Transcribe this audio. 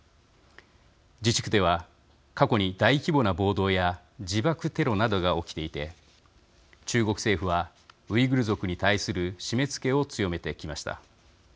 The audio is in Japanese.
自治区では過去に大規模な暴動や自爆テロなどが起きていて中国政府はウイグル族に対する締めつけを強めてきました。